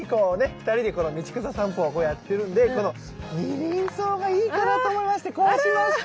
二人でこの道草さんぽやってるんでこのニリンソウがいいかなと思いましてこうしました！